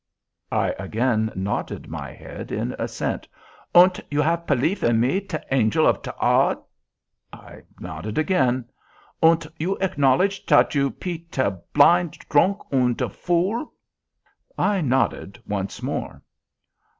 I again nodded my head in assent. "Und you ave pelief in me, te Angel of te Odd?" I nodded again. "Und you acknowledge tat you pe te blind dronk und te vool?" I nodded once more.